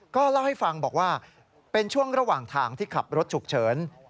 ก็เล่าให้ฟังบอกว่าเป็นช่วงระหว่างทางที่ขับรถฉุกเฉิน